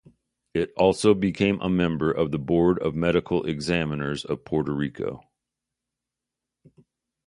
It also became a member of the Board of Medical Examiners of Puerto Rico.